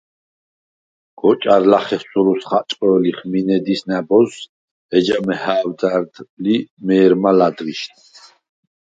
გოჭა̈რ ლახე სურუს ხაჭყჷ̄ლიხ მინე დის ნა̈ბოზს, ეჯა მეჰა̄ვდარდ ლი მე̄რმა ლა̈დღიშდ.